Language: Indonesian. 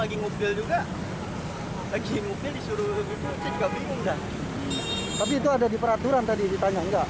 lagi ngubil juga lagi ngubil disuruh juga bingung dan tapi itu ada di peraturan tadi ditanya enggak